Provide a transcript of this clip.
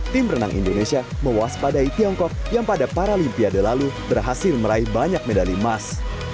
tim renang indonesia mewaspadai tiongkok yang pada paralimpiade lalu berhasil meraih banyak medali emas